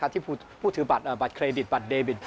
ที่ผู้ถือบัตรเครดิตบัตรเดบิต